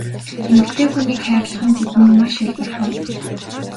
Эмэгтэй хүнийг хайрлах нь тэдэнд маш хялбархан.